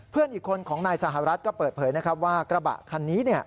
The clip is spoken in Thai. เพื่อนอีกคนของนายสหรัฐก็เปิดเผยนะครับว่ากระบะคันนี้